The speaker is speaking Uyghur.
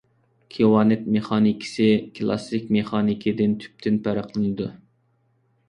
كىۋانت مېخانىكىسى كىلاسسىك مېخانىكىدىن تۈپتىن پەرقلىنىدۇ.